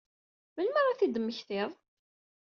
Melmi ara ad t-id-temmektiḍ?